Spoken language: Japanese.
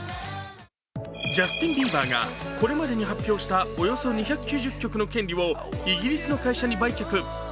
ジャスティン・ビーバーがこれまでに発表したおよそ２９０曲の権利をイギリスの会社に売却。